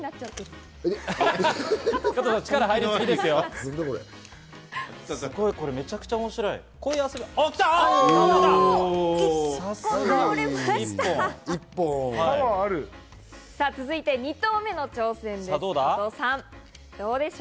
さすが！では２投目の挑戦です。